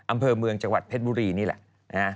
อำเภอเมืองจังหวัดเพชรบุรีนี่แหละนะฮะ